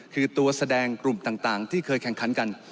คือตัวแสดงกลุ่มต่างที่เคยแข่งขันกัน